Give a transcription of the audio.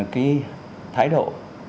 cái thái độ